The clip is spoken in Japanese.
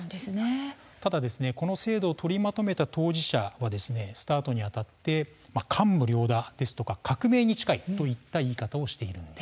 ただこの制度を取りまとめた当事者はスタートにあたって感無量だ、ですとか革命に近いといった言い方をしているんです。